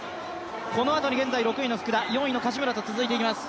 このあとに現在６位の福田、４位の柏村と続いていきます。